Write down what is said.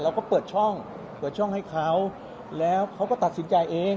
เปิดช่องเปิดช่องให้เขาแล้วเขาก็ตัดสินใจเอง